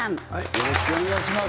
よろしくお願いします